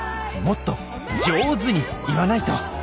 もっとジョーズに言わないと。